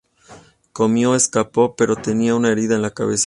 Comio escapó, pero tenía una herida en la cabeza.